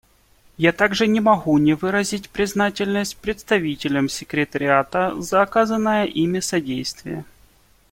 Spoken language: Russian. Я также не могу не выразить признательность представителям Секретариата за оказанное ими содействие.